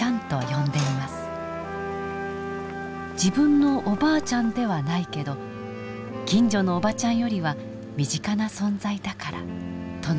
自分のおばあちゃんではないけど近所のおばちゃんよりは身近な存在だからとの事。